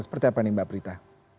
seperti apa nih mbak prita